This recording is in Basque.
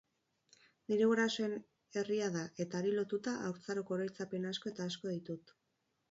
Nire gurasoen herria da eta hari lotuta haurtzaroko oroitzapen asko eta asko ditut.